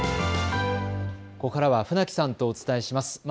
ここからは船木さんとお伝えします。